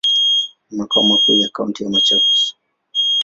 Ni makao makuu ya kaunti ya Machakos.